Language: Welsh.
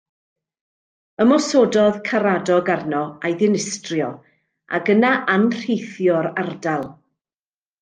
Ymosododd Caradog arno a'i ddinistrio, ac yna anrheithio'r ardal.